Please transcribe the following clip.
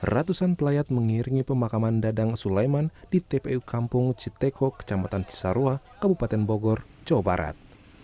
ratusan pelayat mengiringi pemakaman dadang sulaiman di tpu kampung citeko kecamatan cisarua kabupaten bogor jawa barat